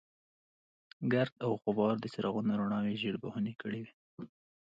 ګرد او غبار د څراغونو رڼاوې ژېړ بخونې کړې وې.